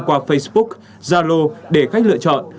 qua facebook zalo để khách lựa chọn